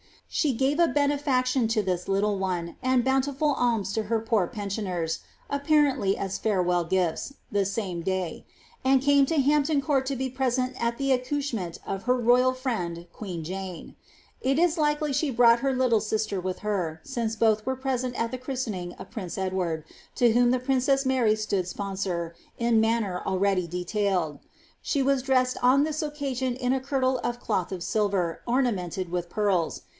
'' She gave a beaafat> tion to this little one, and bountiful alms to her poor penaiooeia (appa* ready as fiurewell gifls) the same day, and came to Ujuqpton GtaHttt be present at the accouchement of her ro3nal friend queen Jane, fcii likely she brought her little sister with her, since both wen prassntil the christening of prince Ekiward, to whom the prinoeaa Maiy slesi sponsor, in manner already detailed.' She was dresacd on this nacanta in a kirtle of cloth of silver, ornamented with pearls.